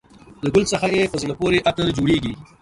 له ګل څخه یې په زړه پورې عطر جوړېږي.